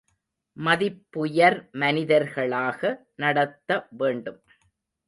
மதிப்புயர் மனிதர்களாக நடத்த வேண்டும்.